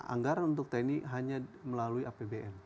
anggaran untuk tni hanya melalui apbn